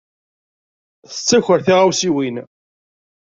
Yettaker tiɣawsiwin.